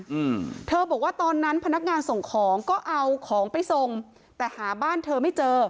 อืมเธอบอกว่าตอนนั้นพนักงานส่งของก็เอาของไปส่งแต่หาบ้านเธอไม่เจอ